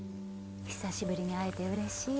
久しぶりに会えてうれしい。